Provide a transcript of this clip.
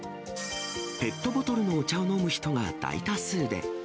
ペットボトルのお茶を飲む人が大多数で。